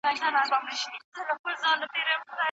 لارښود د محصل پرمختګ څاري.